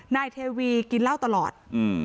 นายเทวีกินเล่าตลอดอืม